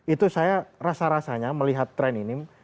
itu saya rasa rasanya melihat tren ini